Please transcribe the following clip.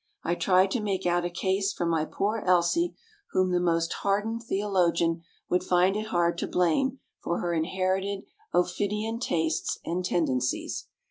I tried to make out a case for my poor Elsie, whom the most hardened theologian would find it hard to blame for her inherited ophidian tastes and tendencies.